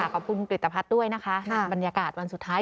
ขอบคุณกริตภัทรด้วยนะคะในบรรยากาศวันสุดท้าย